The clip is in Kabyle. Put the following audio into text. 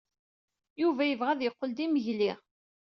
Yuba yebɣa ad yeqqel d imegli.